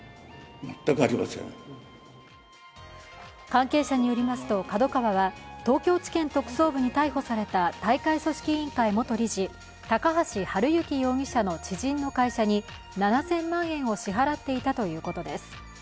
関係者によりますとＫＡＤＯＫＡＷＡは東京地検特捜部に逮捕された大会組織委員会元理事、高橋治之容疑者の知人の会社に７０００万円を支払っていたということです。